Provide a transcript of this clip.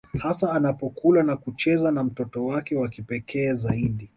Hasa anapokula na kucheza na mtoto wake wa kipekee zaidi